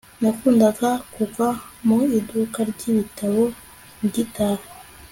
nakundaga kugwa mu iduka ryibitabo ngitaha